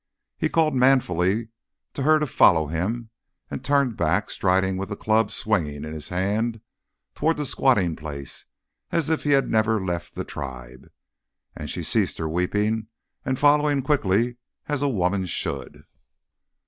He called manfully to her to follow him and turned back, striding, with the club swinging in his hand, towards the squatting place, as if he had never left the tribe; and she ceased her weeping and followed quickly as a woman should.